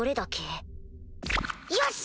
よし！